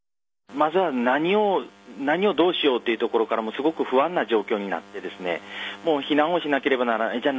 まずは何をどうしようというところからすごく不安な状況になって避難をしなければならない。